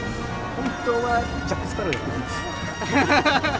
本当はジャック・スパロウをやってるんです。